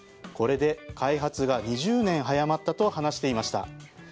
これで開発が２０年早まったと話していました。